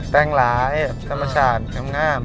แก้งล้ายสัมมาชาญมางาม